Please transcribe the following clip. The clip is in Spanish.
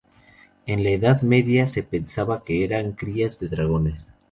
En la edad media se pensaba que eran crías de dragones.